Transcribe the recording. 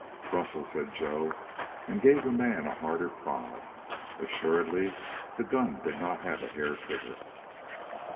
"Rustle!" said Joe, and gave the man a harder prod. Assuredly the gun did not have a hair trigger.